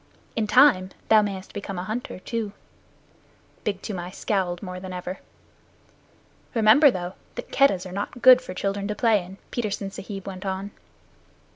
In time thou mayest become a hunter too." Big Toomai scowled more than ever. "Remember, though, that Keddahs are not good for children to play in," Petersen Sahib went on.